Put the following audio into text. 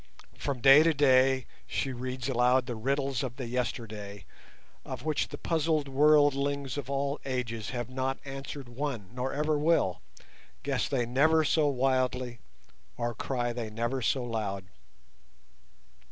From day to day she reads aloud the riddles of the yesterday, of which the puzzled wordlings of all ages have not answered one, nor ever will, guess they never so wildly or cry they never so loud.